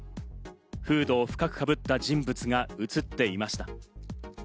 フードを深くかぶった人物が映っていました。